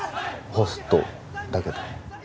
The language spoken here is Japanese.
ホストだけど？